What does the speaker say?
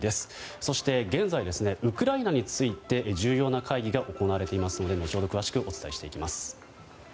そして現在、ウクライナについて重要な会議が行われていますので後ほど詳しくお伝えします。